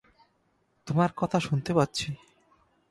তোমার কথা শুনতে পাচ্ছি।